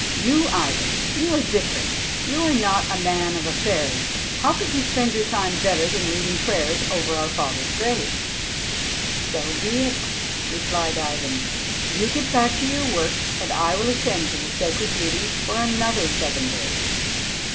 You, Ivan, you are different : you are not a man of affairs ; how could you spend your time better than reading prayers over our father's grave ?' 'So be it,' replied Ivan. 'You get back to your work and I will attend to the sacred duty for another seven days.'